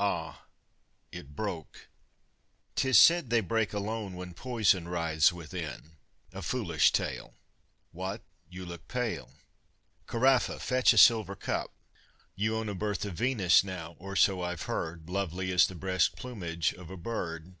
ah, it broke! 'Tis said they break alone When poison writhes within. A foolish tale! What, you look pale? Caraffa, fetch a silver cup! ... You own A Birth of Venus, now or so I've heard, Lovely as the breast plumage of a bird.